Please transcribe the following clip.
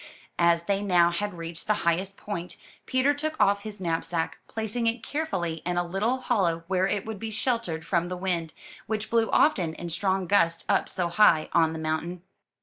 As they now had reached the highest point, Peter took off his knapsack, placing it carefully in a little hollow where it would be sheltered from the wind, which blew often in strong gusts up so high on the mountain.